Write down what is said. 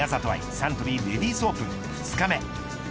サントリーレディスオープン２日目。